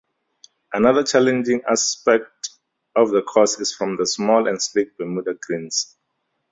Another challenging aspect of the course is from the small and slick Bermuda greens.